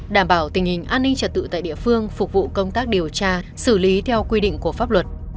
đảm bảo tình hình an ninh trật tự tại địa phương phục vụ công tác điều tra xử lý theo quy định của pháp luật